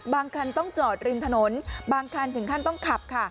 คันต้องจอดริมถนนบางคันถึงขั้นต้องขับค่ะ